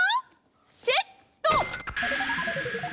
セット！